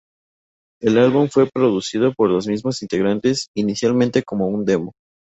El álbum fue producido por los mismos integrantes, inicialmente como un demo.